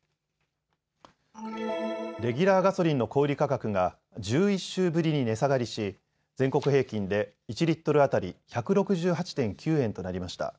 レギュラーガソリンの小売価格が１１週ぶりに値下がりし全国平均で１リットル当たり１６８．９円となりました。